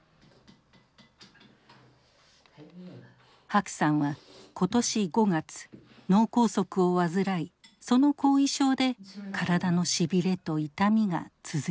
白さんは今年５月脳梗塞を患いその後遺症で体のしびれと痛みが続いています。